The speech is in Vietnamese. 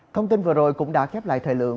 thông tin vừa rồi cũng đã khép lại thời lượng